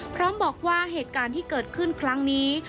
พร้อมบอกว่าเหตุการณ์ที่เกิดขึ้นครั้งนี้